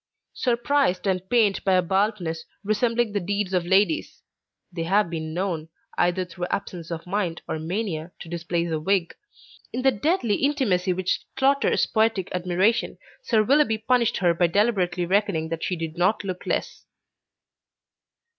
Surprised and pained by a baldness resembling the deeds of ladies (they have been known, either through absence of mind, or mania, to displace a wig) in the deadly intimacy which slaughters poetic admiration, Sir Willoughby punished her by deliberately reckoning that she did not look less.